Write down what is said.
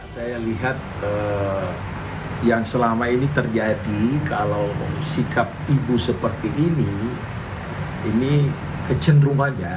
saya lihat yang selama ini terjadi kalau sikap ibu seperti ini ini kecenderungannya